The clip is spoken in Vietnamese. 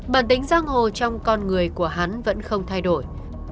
bản tính giang hồ trong con người của hắn vẫn không thay đổi